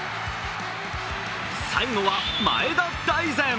最後は前田大然。